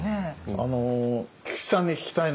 あの菊地さんに聞きたいな。